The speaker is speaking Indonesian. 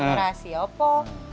ada rahasia apa